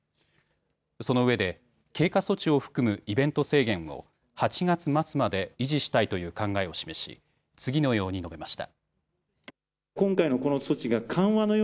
そのうえで経過措置を含むイベント制限を８月末まで維持したいという考えを示し次のように述べました。